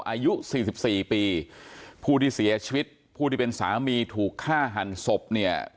อายุสี่สิบสี่ปีผู้ที่เสียชีวิตผู้ที่เป็นสามีถูกฆ่าหันศพเนี่ย